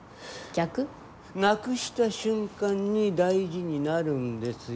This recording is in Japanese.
なくした瞬間に大事になるんですよ。